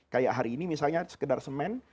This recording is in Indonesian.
kayak hari ini misalnya sekedar semen